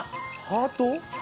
ハート？